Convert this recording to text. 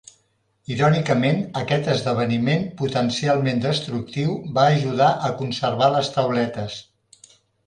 Irònicament, aquest esdeveniment potencialment destructiu va ajudar a conservar les tauletes.